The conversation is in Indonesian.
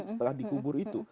setelah dikubur itu